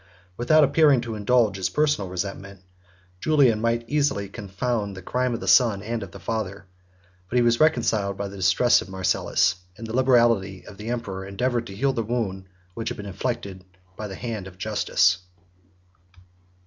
Without appearing to indulge his personal resentment, Julian might easily confound the crime of the son and of the father; but he was reconciled by the distress of Marcellus, and the liberality of the emperor endeavored to heal the wound which had been inflicted by the hand of justice.